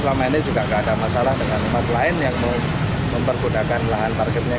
selama ini juga tidak ada masalah dengan tempat lain yang mempergunakan lahan parkirnya